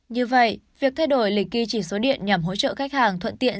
như vậy việc thay đổi lịch ghi chỉ số điện nhằm hỗ trợ khách hàng thuận tiện